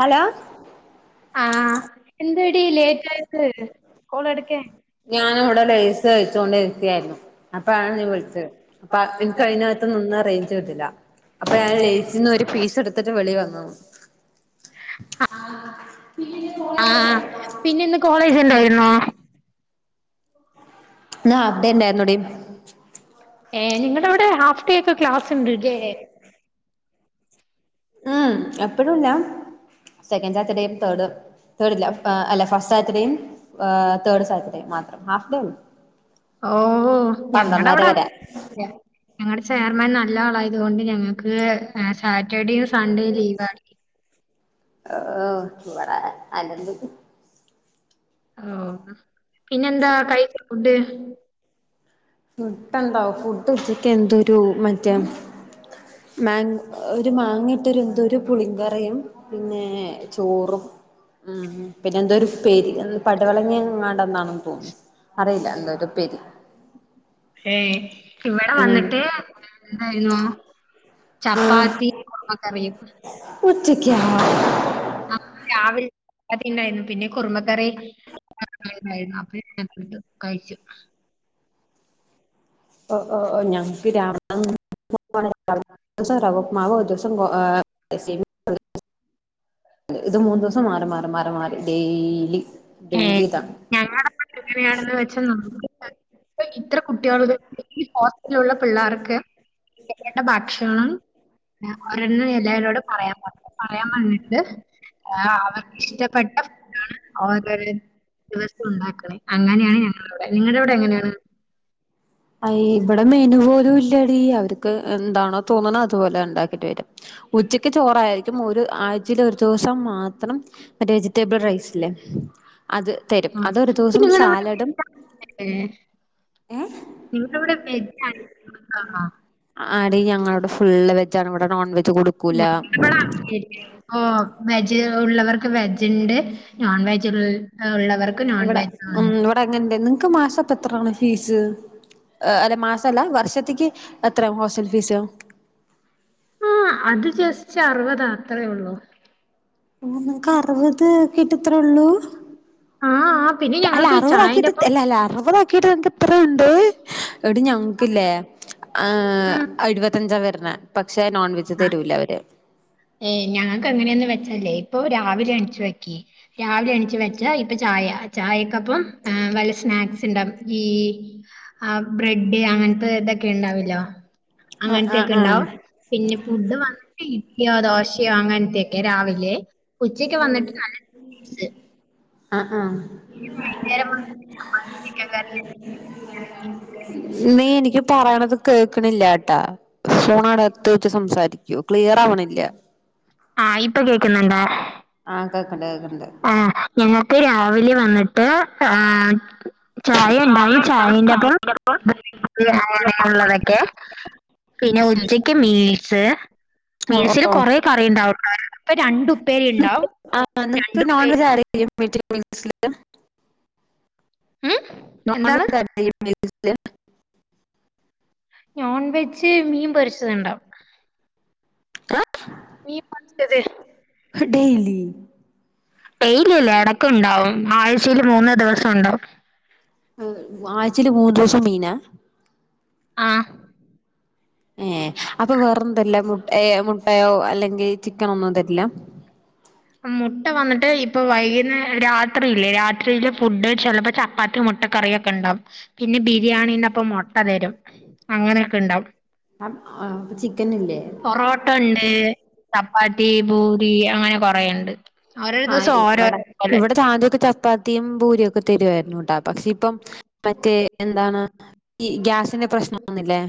Hello. ആഹ എന്തടി late ആയത് കോള് എടുക്കാൻ. ഇവിടെ ലേസ് കഴിച്ച്കൊണ്ടിരിക്കുവായിരുന്നു. അപ്പ ആണ് നീ വിളിച്ച അപ്പ എനിക്ക് അതിനകത്ത് നിന്ന റേഞ്ച് കിട്ടില്ല. അപ്പൊ ഞാൻ ലേസിന്ന് ഒരു പീസ് എടുത്തിട്ട് വെളിവന്ന ആണ്. ആഹ് [unintelligible] ആഹ പിന്നെ ഇന്ന് കോളേജ് ഉണ്ടായിരുന്നോ? ഇന്ന് ഹാഫ് ഡേ ഉണ്ടായിരുന്നഡീ. ഏ നിങ്ങടെ അവിടെ ഹാഫ്ഡേ ഒക്കെ ക്ലാസ് ഉണ്ട്ല്ലേ. ഉം എപ്പോഴുല്ല സെക്കൻഡ് സാറ്റർഡേയും തേർഡും തേർഡ് ഇല്ല അല്ല ഫസ്റ്റ് സാറ്റർഡേയും ഹേ തേഡ് സാറ്റർഡേയും മാത്രം ഹാഫ്ഡേ ഉള്ളൂ. ഓ ഞങ്ങടെ പന്ത്രണ്ടര അവിടെ അ വരെ ല്ല ഞങ്ങടെ ചെയർമാൻ നല്ല ആളായതുകൊണ്ട് ഞങ്ങക്ക് ആ സാറ്റർഡേയും സൺഡേയും ലീവാണ്. ഓ ഇവടെ അലമ്പ്. ഓ പിന്നെന്താ കഴിച്ച ഫുഡ്? ഫുഡ് എന്താ ഫുഡ് ഉച്ചക്ക് എന്തൊരു മറ്റേ മാ ഓ ഒരു മാങ്ങിയിട്ടൊരു എന്തോ ഒരു പുളിങ്കറിയും പിന്നെ ചോറും ഉം പിന്നെ എന്തോ ഒരു ഉപ്പേരി പടവലങ്ങേങ്ങാണ്ടന്നാണെന്ന് തോന്നുന്നു. അറിയില്ല എന്ത ഒരു ഉപ്പേരി. ഏയ് ഇവിടെ ഉം വന്നിട്ട് എന്തായിന്നോ? ചപ്പാത്തി കുറുമക്കറിയും. ഉച്ചയ്ക്കാ ആ, രാവിലെ ചപ്പാത്തിണ്ടായിരുന്നു പിന്നെ കുറുമക്കറി [unintelligible] കഴിച്ചു ഓ ഓ ഞങ്ങക്ക് രാവിലെ [inaudible] ഒരുസം റവഉപ്പമാവ് ഒരുസം ഗോ എഹ് സെ ഇത് മൂന്ന് ദിവസം മാറി മാറി മാറി മാറി ഡെയ്ലി ഏ ഞങ്ങളുടെ [inaudible] വെച്ച നമുക്ക് ഇപ്പൊ ഇത്ര കുട്ടികള് ഈ ഹോസ്റ്റലിലുള്ള പിള്ളേർക്ക് എങ്ങെനെ ഉണ്ട് ഭക്ഷണം. ഒരെണ്ണം എല്ലാവരോട് പറയാൻ പറ പറയാൻ പറഞ്ഞിട്ട് ആ അവർക്ക് ഇഷ്ടപ്പെട്ട [unintelligible] ഒരു ദിവസം ഉണ്ടാക്കണേ അങ്ങനെയാണ് ഞങ്ങളവിടെ നിങ്ങളുടെവിടെ എങ്ങനെയാണ്? അയ് ഇവിടെ മെനു പോലും ഇല്ലടി അവർക്ക് എന്താണോ തോന്നണ അതുപോലെ ഉണ്ടാക്കിട്ട് വരും. ഉച്ചക്ക് ചോറായിരിക്കും ഒരു ആഴ്ചയില് ഒരു ദിവസം മാത്രം മറ്റേ വെജിറ്റബിൾ റൈസില്ലേ അത് തരും ആഹ്. അതൊരു അപ്പൊ ദിവസം നിങ്ങടെ അവിടെ സാലഡും ഏ ഇവിടെ വെജ് ആണ് [inaudible] ആടി ഞങ്ങള ഇടെ ഫുള് വെജ്ജാണ് ഇവിടെ നോൺ വെജ് കൊടുക്കൂല [inaudible] ഓ വെജ് ഉള്ളവർക്ക് വെജ് ഉണ്ട് നോൺ വെജ് ഉള്ള ഇവിടെ ഉം ഇവിടെ അങ്ങനെണ്ട് നിങ്ങക്ക് മാസംപ്പ എത്രാണ് ഫീസ്? അല്ല മാസല്ല വർഷത്തേക്ക് എത്രയാ ഹോസ്റ്റൽ ഫീസ്? ആ അത് ജസ്റ്റ് അറുപത് അത്രയേ ഉള്ളൂ. അഹ് നിങ്ങക്ക് അറുപത് കിട്ടത്രേള്ളൂ ആഹ് ആഹ് പിന്നെ അല്ല ഞങ്ങൾക്ക് അറുപത് ആക്കിട്ട് ചായന്റെപ്പം അല്ല അല്ല അറുപത് ആക്കിട്ട് നിക്ക് ഇത്രുണ്ട് എടി ഞങ്ങക്കില്ലേ ആഹ് ഉം എഴുപത്തഞ്ചാവരുന്നേ പക്ഷെ നോൺവെജ് ആഹ് തരൂല അവര് ഏഹ് ഞങ്ങൾക്ക് എങ്ങനെയാന്ന് വെച്ചലേ ഇപ്പൊ രാവിലെ അഞ്ചു വയ്ക്കി രാവിലെ എണീച്ച് വെച്ച ഇപ്പ ചായ ചായക്കപ്പം വല്ല സ്നാക്സ് [unintelligible] ഈ ബ്രഡ് അങ്ങനത്തെതൊ ണ്ടാവില്ലാ ആഹ് അങ്ങനത്തെക്കെ ആഹ് ആഹ് ഉണ്ടാവും പിന്നെ ഫുഡ് [unintelligible] യോ ദോശയോ അങ്ങനത്തൊക്കെ രാവിലെ ഉച്ചക്ക് വന്നിട്ട് നല്ല ചിപ്സ് ആഹ് ആഹ് [inaudible] വൈകുന്നേരം വന്നിട്ട് ചിക്കൻ കറി നീ എനിക്ക് പറയണത് കേക്കണില്ല ട്ടാ ഫോണ് അവിട അടുത്ത് വെച്ച് സംസാരിക്കൂ ക്ലിയർ ആവണില്ല ആ ഇപ്പൊ കേക്കുന്നുണ്ട് ആഹ് കേക്കണ്ട് കേക്കണ്ട് ആഹ് ഞങ്ങൾക്ക് രാവിലെ വന്നിട്ട് ആഹ് ചായ ഉണ്ടാവും ചായന്റെപ്പം [unintelligible] പിന്നെ ഉച്ചക്ക് മീൽസ് ഓ മീൽസില് ഓ കുറെ കറി ഉണ്ടാവുട്ടോ ഇപ്പൊ രണ്ട് ഉപ്പേരി ഉണ്ടാവും ആ നിക്ക് നോൺ രണ്ടുപ്പേരി വെജ് [unintelligible] മം നോൺവെജ് [inaudible] നോൺ വെജ് മീൻ പൊരിച്ചത്ണ്ടാവും മീമസ്ച്ചത്തെ ഹ ഡെയിലി ഡെയിലല്ല ഇടക്ക് ഉണ്ടാവും ആഴ്ചയി ൽ മൂന്ന് ദിവസം ഉണ്ടാവും ആഹ്ആഴ്ചയിൽ മൂന്ന് ദിവസം മീനാ ആഹ് ഏഹ് അപ്പൊ വേറെന്തർല്ല മു മുട്ടയോ അല്ലെങ്കിൽ ചിക്കന് ഒന്നും തരില്ല മുട്ട വന്നിട്ട് ഇപ്പൊ വൈകുന്നേ രാത്രിയില്ലേ രാത്രിയില് ഫുഡ് ചിലപ്പോ ചപ്പാത്തി മുട്ട മുട്ടക്കറിയൊക്കെ ഉണ്ടാവും പിന്നെ ബിരിയാണീന്റെപ്പം മുട്ട തരും അങ്ങനെയൊക്കെ ഉണ്ടാവും അഹ് അപ്പ ചിക്കൻ ഇല്ലേ പൊറോട്ട ഉണ്ട് ചപ്പാത്തി ബൂരി അങ്ങനെ കൊറേണ്ട് ഓരോരോ ആഹ് ദിവസം ഇവിടെ ഓരോരോ പോലെ ഇവിടെ ആധ്യാക്കെ ചപ്പാ തീം പൂരി ഒക്കെ തരുമായിരുന്നുട്ടാ പക്ഷെ ഇപ്പം മറ്റേ എന്താണ് ഈ ഗ്യാസിന്റെ പ്രശ്നൊന്നില്ലേ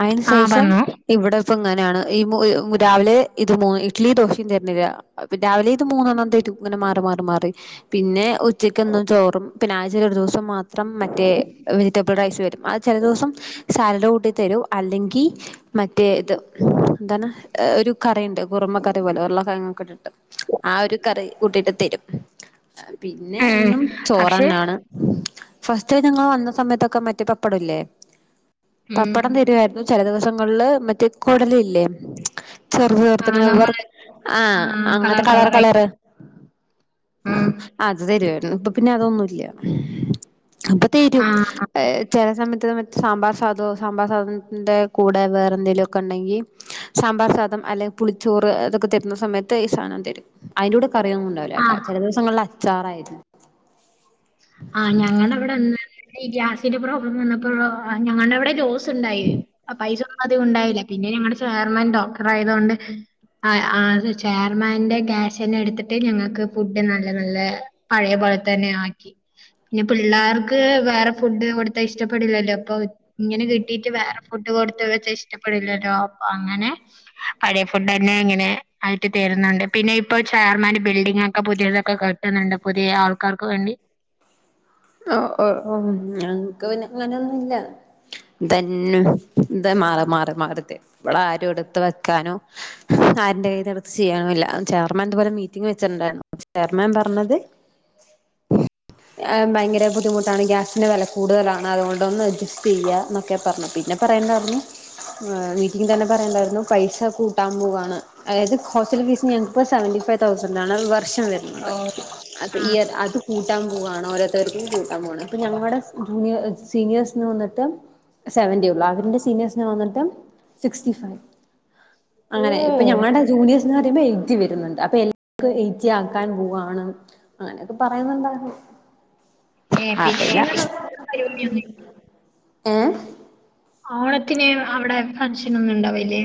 അതിന് ആഹ് ശേഷം വന്നു ഇവിടെ ഇപ്പ ഇങ്ങനെയാണ് ഈ [unintelligible] രാവിലെ ഇത് [unintelligible] ഇഡലി ദോശയും തരുന്നില്ല രാവില ഇത് മൂന്നെണ്ണം തരും ഇങ്ങനെ മാറി മാറി മാറി പിന്നെ ഉച്ചക്കെന്നും ചോറും പിന്നെ ആഴ്ച ഒരു ദിവസം മാത്രം മാത്രം മറ്റേ വെജിറ്റബിൾ റൈസ് തരും അത് ചില ദിവസം സാലഡ് കൂട്ടി തരും അല്ലെങ്കിൽ മറ്റേ ഇത് എന്താണ് ഒരു കറിണ്ട് കുറുമ കറി പോലെ ഉർളക്കിഴങ്ങൊക്കെ ഇട്ടിട്ട് ആ ഒരു കറി കൂട്ടിട്ട് തരും പിന്നെ ഉം എന്നും പക്ഷെ ചോറെന്നാണ് ഫസ്റ്റ് ഞങ്ങൾ വന്ന സമയത്തൊക്കെ മറ്റേ പപ്പടം ഇല്ലേ ഉം പപ്പടം തരുായിവാരിനു ചില ദിവസങ്ങളിൽ മറ്റേ കൊടലില്ലേ ചെറ ആഹ് ചെറിങ്ങനെ നമ്മള് ആ ആഹ് അങ്ങനത്തെ കളർ കളറൊക്കെള്ള കളറായി റ് ഉം അത് തരുമായിരുന്നു ഇപ്പൊ പിന്നെ അതൊന്നുമില്ല അപ്പൊ തീരും ആഹ് ഏഹ് ചില സമയത്ത് സാമ്പാർ സാധവൊ സാമ്പാർ സാധനത്തിന്റെ കൂടെ വേറെ എന്തെങ്കിലുമൊക്കെ ഉണ്ടെങ്കിൽ സാമ്പാർ സാധം അല്ലെങ്കിൽ പുളിച്ചോറ് അതൊക്കെ തരുന്ന സമയത്ത് ഈ സാനം അതിന്റെ കൂടെ കറിയൊന്നുമുണ്ടാവില്ലട്ടാ ആഹ് ചില ദിവസങ്ങളിൽ അച്ചാറായിരിന്നു ആഹ് ഞങ്ങളവിടെ [unintelligible] ഈ ഗ്യാസിന്റെ പ്രോബ്ലം വന്നപ്പോ ഞങ്ങളുടെ അവിടെ [unintelligible] ഉണ്ടായി പൈസ ഒന്നും ആധ്യം ഉണ്ടായില്ല പിന്നെ ഞങ്ങടെ ചെയർമാൻ ഡോക്ടർ ആയതുകൊണ്ട് ആ -ആ-അ ചെയർമാന്റെ ഗ്യാസ് തന്നെ എടുത്തിട്ട് ഞങ്ങൾക്ക് ഫുഡ് നല്ല നല്ല പഴയ പോലത്തന്നെ ആക്കി പിന്നെ പിള്ളേർക്ക് വേറെ ഫുഡ് കൊടുത്താ ഇഷ്ടപ്പെടില്ലല്ലോ അപ്പൊ ഇങ്ങനെ കിട്ടീട്ട് വേറെ ഫുഡ് കൊടുത്ത് വെച്ചാ ഇഷ്ടപ്പെടില്ലല്ലോ അപ്പൊ അങ്ങനെ പഴയ ഫുഡ് തന്നെ അങ്ങനെ ആയിട്ട് തരുന്നുണ്ട് പിന്നെ ഇപ്പോ ചെയർമാൻ പിന്നെ ഇപ്പൊ ചെയര്മാന്റെ ബിൽഡിംഗ് ഒക്കെ പുതിയതൊക്കെ കെട്ടുന്നുണ്ട് പുതിയ ആൾക്കാർക്ക് വേണ്ടി ഓ ഓ ഞങ്ങൾക്ക് പിന്നെ അങ്ങനെമ ഒരുല്ല ഇതന്നെ ഇതാ ന്താ മാറി മാറി മാറിതെ [unintelligible] ഇവളെ ആരും എടുത്ത് വെക്കാനോ ആർന്റെ കയ്യിന്നിടുത്ത് ചെയ്യനമില്ല [unintelligible] ചെയർമാൻ ഇതുവരെ മീറ്റിംഗ് വെച്ചിട്ടുണ്ടായിരുന്നു ചെയർമാൻ പറഞ്ഞത് ഭയര ബുദ്ധിമുട്ടാണ് ഗ്യാസിന്റെ വില ഭയങ്കര ബുദ്ധിമുട്ടാണ് ഗ്യാസിന് വെല കൂടുതലാണ് അതുകൊണ്ടൊന്ന് അഡ്ജസ്റ്റ് ചെയ്യ എന്നൊക്കെ പറഞ്ഞു പിന്നെ പറയന്ന് ഇണ്ടായിരുന്നു ആ മീറ്റിംഗിന്റെ അന്ന് പറയ്ണ്ടായിരുന്നു പൈസ കൂട്ടാൻ പോവാണ് അതായത് ഹോസ്റ്റൽ ഫീസി ഞങ്ങിപ്പോൾ സെവന്റി ഫൈവ് തൗസന്റ് ആണ് ഒരു വർഷം വരുന്നത് ആ അപ്പ ഈ അത് അത് കൂട്ടാൻ പോവണോ ഒരോ ത ടെറബി കൂട്ടാൻ പോവാണ് അപ്പൊ ഞങ്ങടെ ജൂനിയ സീനിയേഴസ് എന്ന് വന്നിട്ട് സെവന്റി ഉള്ളു അവന്റെ സീനിയേഴ്സിന് വന്നിട്ട് സിക്സ്റ്റി ഫൈവ് ഓ അങ്ങനെ ഇപ്പൊ ഞങ്ങളുടെ ജൂനിയർ സ് ന്ന് പറയുമ്പോ എയ്റ്റ വരുന്നുണ്ട് അപ്പൊ എല്ലാവർക്കും എയ്ി ആക്കാൻ പോവയാണ് അങ്ങനെയൊക്കെ പറയുന്നണ്ടായിരുന്നു ഏ പിന്നെ നിങ്ങളുടെ പരിപി ഏ ഓണത്തിന് അവിടെ ഫൺഷൻ ഒന്നുംണ്ടാവല്ലേ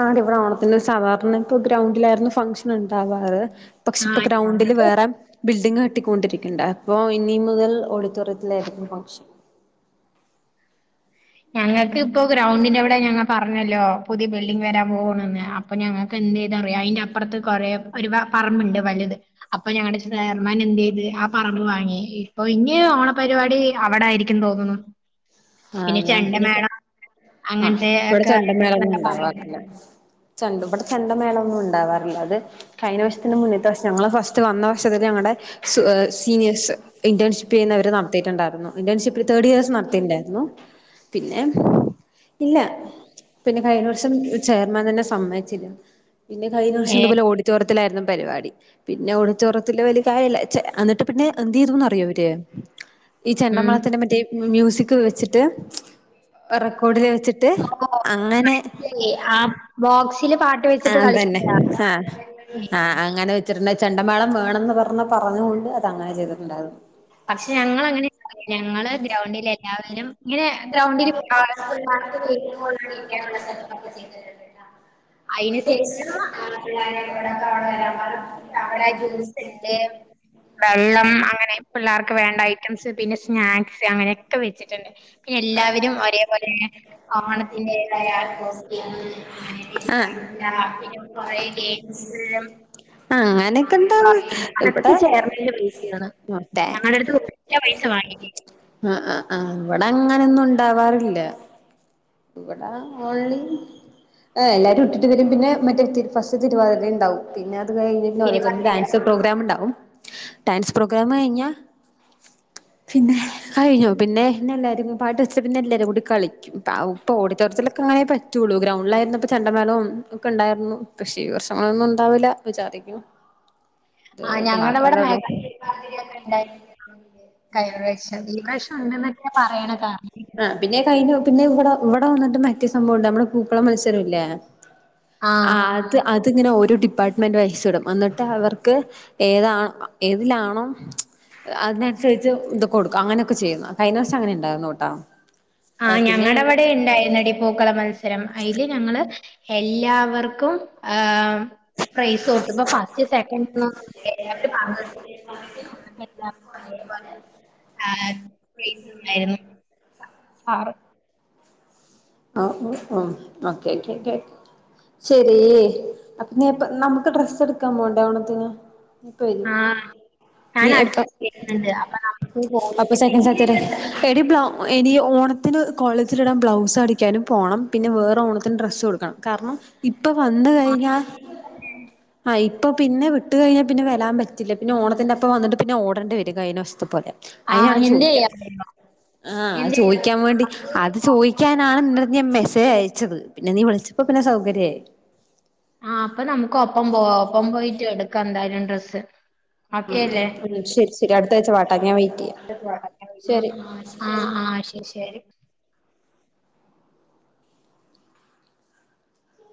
ആടി ഇവിടെ ഓണത്തിന് സാധാരണ യ ഗ്രൗണ്ടിലായിരുന്നു ഫംഗഷൻ ഉണ്ടാവാറ് പക്ഷെ ആ ഇപ്പോൾ ഗ്രൗണ്ടില് ഞങ്ങൾക്ക് വേറെ ബിൽഡിംഗ് കെട്ടിക്കൊണ്ടിരിക്കണ്ട അപ്പോഇനി മുതൽ ഓഡിറ്റോറിയത്തിലായിരിക്കും പൺ ക്ഷൻ ഞങ്ങൾക്ക് ഇപ്പോൊ ഗ്രൗണ്ടിന്റെറെവിടെ ഞങ്ങൾ പ പറഞ്ഞല്ലോ പുതിയ ബിൽഡിംഗ് വരാൻ പോകണന്ന് അപ്പൊ ഞങ്ങൾക്ക് എന്ത് ചെയ്താറിയാം അതിന്റെപ്പറത്ത് കുറെ ഒരു പറമ്പുണ്ട് വലുത് അപ്പൊ ഞങ്ങളുടെ ചേർമാൻ എന്ത് ചെയ്ത് ആ പറമ്പ് വാങ്ങി ഓ ഇനി ഓണപരിപാടി അവിടെ ആയിരിക്കും തോന്നുണ് ആഹ ഞങ്ങക്ക് ഇനി അങ്ങനത്തെ ഇവിടെ ഒക്കെ ചെണ്ടൻമേളൊന്നും എന്നൊക്കെ പറയും. ഉണ്ടില്ല ചണ്ട ഇവിടെ ചണ്ടമേള ഒന്നും ഉണ്ടാവാറില്ല അത് കഴിഞ്ഞ വശത്തിന്റെ മുന്നേത്തെ വശം ഞങ്ങ്ള് ഫസ്റ്റ് വന്ന വരഷത്തിൽ ഞങ്ങളടെ സീനിയേഴസ് ഇന്റേൺഷി് ചെയ്യുന്നവർ നടത്തിയിട്ടുണ്ടായിരുന്നു ഇന്റേൺഷിപ്പ് തേടിയർ ഇയേഴ്സ് നടത്തിയിണ്ടായിരുന്നു പിന്നെ ഇല്ല പിന്നെ കഴിഞ്ഞ വർഷം ചെയർമാൻ തന്നെ സമ്മച്ചില്ല പിന്നെ കഴിഞ്ഞ വർഷം ഏ ഇതുപോലെ ഓഡിറ്റോറിയത്തിലായിരുന്നു പരിപാടി പിന്നെ ഓടിച്ചോറത്തിൽ വല കായില്ലചേ എന്നിട്ട് പിന്നെ എന്ത് ചെയ്തുന്ന് അറിയോ അവര് ഈ ചെണ്ട ഉം മേളത്തിനെ പറ്റിമ്യൂസിക് ചിട്ട് റെക്കോടില് വെച്ചിട്ട് അങ്ങനെ ആഹ് ബോക്സില് പാട്ട് ആ വെച്ചിട്ട് അതന്നെ കളിക്കില്ല ആഹ ആഹ് അങ്ങനെ വെച്ചിട്ടുണ്ട ചെണ്ടമാേളം വേണന്ന് പറഞ്ഞ പ്പോ പറഞ്ഞുകൊണ്ട് അത് അങ്ങനെ ചെയ്തിട്ടുണ്ടാകും പക്ഷെ ഞങ്ങൾ അങ്ങനെ ഞങ്ങള് ഗ്രൗണ്ടിൽ എല്ലാവരും ഇങ്ങനെ ഗ്രൗണ്ടിൽ പ അതിൽ അയിന് ടേസ്റ്റ് ശേഷം നാത്തു നാരെ പെരിക്ക് ആള് വെരാൻ പടുണ്ട ഒറിയിച്ചജ്യൂസ്ണ്ട് വെള്ളം അങ്ങനെ പിളാർക്ക് വേണ്ട ഐറ്റംസ് പിന്നെ സ്നാക്സ് അങ്ങനെയൊക്കെ വെച്ചിട്ടുണ്ട് എല്ലാവരും ഒരേപോലെ ഒണത്തിന്റെ ആഹ ആഹ കുറെ കുറയേ ജയ് ആനക്ക് ഇണ്ടാകും അതൊക്കെ ഇപടെ മ മുർട്ടേ ഞങ്ങളുടെ അടുത്ത് ഒറ്റ പൈസ വാങ്ങി ആഹ് ആഹ് ആഹ് ഇവടെ അങ്ങനൊന്നുണ്ടാവാറില്ല. ഇവടാ ഓൺലി ആഹ് എല്ലാരും ഇട്ടിട്ട് വരും പിന്നെ മറ്റേ തി ഫസ്റ്റ് തിരുവാതിരണ്ടാവും പിന്നെ അത് കഴിഞ്ഞ് പിന്നെ ഓരോര്ത്തരു ഡാ തിരുവാതിര സ് പ്രോഗ്രാമ്ണ്ടാവും ഡാൻസ് പ്രോഗ്രാമ് കഴിഞ്ഞാ പിന്നെ അഴിഞ്ഞു പിന്നെ ന്നെല്ലാരുംകു പാട്ട് വെച്ച് പിന്നെ എല്ലരുകൂടി കളിക്കും ഔ പ്പൊ ഓഡിറ്റോറിയത്തിലൊക്കെങ്ങനെ പറ്റൊള്ളൂ ഗ്രൗണ്ടിലായിരുന്നപ്പൊ ചണ്ടമേളോം ക്കെണ്ടായിര്ന്നു പക്ഷേ ഈ വർഷങ്ങളൊന്നുണ്ടാവില്ല വിചാരിക്കുന്നു ദേ ആ ത് ഞങ്ങടെ മാത്രല്ലേള്ളൂ കയിഞ്ഞ പ്രാവശംഈ പ്രാവശ്യം ഉണ്ടെന്നൊക്കെ പറയണ കാരണം ആ പിന്നെ കഴഞ്ഞു പിന്നെ ഇവിടെ ഇവിടെ വന്നിട്ട് മറ്റെ സംഭവുണ്ട് നമ്മടെ പൂക്കളം മത്സരംല്ലേ ആ അത് അതിങ്ങനെ ഒരു ഡിപ്പാർട്ട്മെന്റ് വയച്ഛ്ടും എന്നിട്ട് അവർക്ക് ഏതാണ് അ ഏതിലാണോ അതിനനുസരിച്ച് ഇത് കൊടുക്കു അങ്ങനെയൊക്കെ ചെയ്യുന്നത് കഴിഞ്ഞവസം അങ്ങന ഉണ്ടായി നോട്ടോ ആ ഞങ്ങള്ടെ വ്ടെ ഉണ്ടായിരുന്നടി പൂക്കള മത്സരം അയില് ഞങ്ങള് ഹെല്ലാവർക്കും ആം പ്രൈസ് കൊടുത്തപ്പ ഫസ്റ്റ് സെക്കന്റൊ ന്നും [unintelligible] എല്ലാർക്കും ഒരേ പോലെ [unintelligible] [unintelligible] ആറ് ഓങ്‌ ഓ ഓ ഓക്കെ ക്കെ ക്കെ ശരീ... അപ്പൊ നീ നീ പ്പ നമ്മക്ക് ഡ്രസ്സടുക്കാൻ പോണ്ടേ ഓണത്തിന് ഇപ്പ വര്വോ ആ ഞാൻ നീ അടുത്ത എപ്പ വരുന്നുണ്ട് അപ്പൊ നമുക്ക് പോയി [unintelligible] സെക്കൻഡ് സറ്റർഡേ എടീ ബ്ലൗഎനി ഓണത്തിന് കോളേജിലിടാൻ ബ്ലൗസാടീ ക്കേനുംപോണം പിന്നെ വേറെ ഓണത്തിന് ഡ്രസ്സു എടുക്കണം കാരണം ഇപ്പൊ വന്ന കയിഞ്ഞാൽ ആഹ് ഇപ്പൊ പിന്നെ വിട്ട് കയിഞ്ഞാ പിന്നെ വരാൻ പറ്റ ഇല്ല പിന്നെ ഓണത്തിന്റെപ്പ വന്നിറ്റ് പിന്നെ ഓടണ്ടിവരു കയിഞ്ഞ വർഷത്തെ പോലെ ആ അയിനാണ് എന്ത് ചോദിക്ക ചെയ്യാൻ അറിയോ ആഹ്അയ് എന്ത് ചോയിക്കാൻ വേണ്ടി അത് ചോയിക്കാൻ ചെയ്യാൻ നാളെ ണ്ടർന്ന് ഞാൻ മെസ്സേജ് അയച്ചത് പിന്നെ നീ വിളിച്ചപ്പോ പിന്നെ സൗകരായി ആ അപ്പ നമുക്കൊപ്പം പോവാ ഒപ്പം പോയിറ്റെടുക്കാ എന്തായാലും ഡ്രസ്സ് ഒക്കെല്ലേ ഉം ശരി ശരി അടുത്താഴ്ച വാട്ടാ ഞാൻ വെയിറ്റ് ചെയ്യാം [unintelligible] ശരി ആ ആ അയ് ശരി ശരി